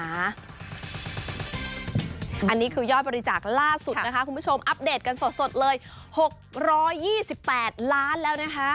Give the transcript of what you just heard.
อันนี้คือยอดบริจาคล่าสุดนะคะคุณผู้ชมอัปเดตกันสดเลย๖๒๘ล้านแล้วนะคะ